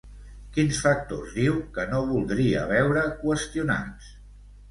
Quins factors diu que no voldria veure qüestionats?